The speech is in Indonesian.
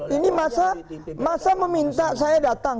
ini masa meminta saya datang